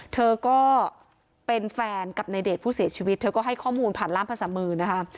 เธอก็เป็นแฟนกับในเดชผู้เสียชีวิตเธอก็ให้ข้อมูลผ่านล่ามภาษามือนะคะ